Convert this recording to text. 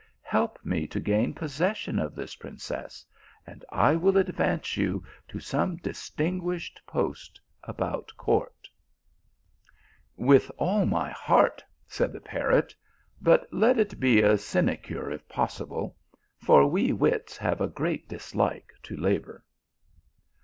Help me to gain possession of this princess anc I will advance you to some distinguished post about court" " With all my heart," said the parrot; "but let it be a sinecure if possible, for we wits have a great dislike to labour."